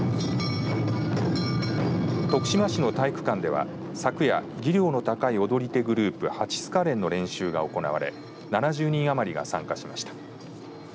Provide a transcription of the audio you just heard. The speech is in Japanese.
徳島市の体育館では昨夜技量の高い踊り手グループ蜂須賀連の練習が行われ７０人余りが参加しました。